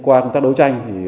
qua công tác đấu tranh